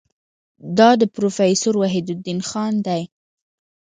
دا د پروفیسور وحیدالدین خان دی.